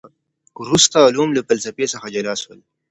وروسته علوم له فلسفې څخه جلا سول.